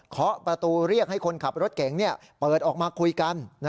ขอประตูเรียกให้คนขับรถเก๋งเปิดออกมาคุยกัน